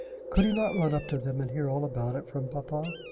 Could he not run up to them and hear all about it from papa?